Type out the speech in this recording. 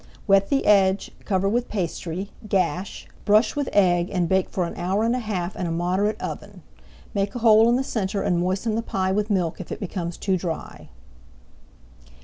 Wet the edge, cover with pastry, gash, brush with egg and bake for an hour and a half in a moderate oven. Make a hole in the centre and moisten the pie with milk if it becomes too dry.